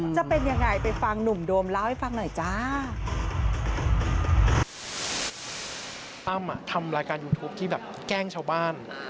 จะเป็นยังไงไปฟังหนุ่มโดมเล่าให้ฟังหน่อยจ้า